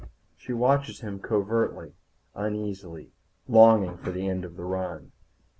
She watches him covertly, uneasily, longing for the end of the run.